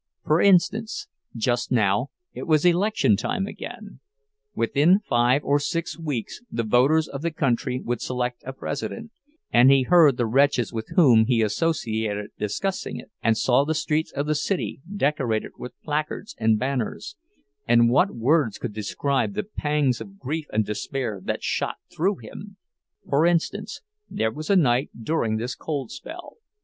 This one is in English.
For instance, just now it was election time again—within five or six weeks the voters of the country would select a President; and he heard the wretches with whom he associated discussing it, and saw the streets of the city decorated with placards and banners—and what words could describe the pangs of grief and despair that shot through him? For instance, there was a night during this cold spell.